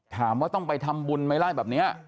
ถามว่าต้องไปทำบุญไหมไล่แบบนี้